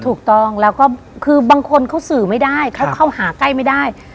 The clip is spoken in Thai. ถูกต้องแล้วก็คือบางคนเขาสื่อไม่ได้เขาเข้าหาใกล้ไม่ได้